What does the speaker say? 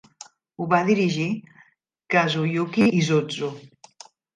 Ho va dirigir Kazuyuki Izutsu.